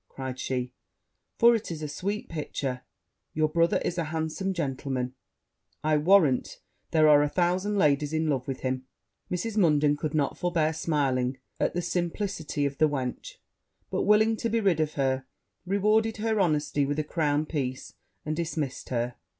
cried she; 'for it is a sweet picture your brother is a handsome gentleman I warrant there are a thousand ladies in love with him.' Mrs. Munden could not forbear smiling at the simplicity of the wench; but, willing to be rid of her, rewarded her honesty with a crown piece, and dismissed her.